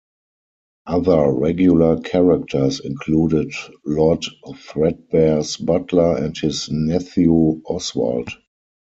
Other regular characters included Lord Threadbare's butler and his nephew Oswald.